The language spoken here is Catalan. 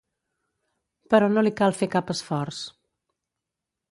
Però no li cal fer cap esforç.